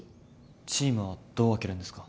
チームはどう分けるんですか？